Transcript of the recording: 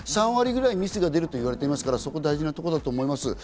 ３割くらいミスが出ると言われているので大事なところだと思います。